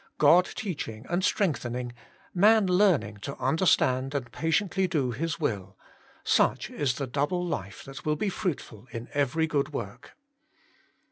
God teaching and strengthening, man learning to understand and patiently do His will; such is the double hfe that will be fruitful in every good work.